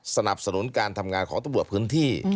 สนับสนุนการทำงานของตำรวจพื้นที่